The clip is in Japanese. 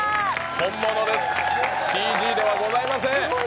本物です、ＣＧではございません。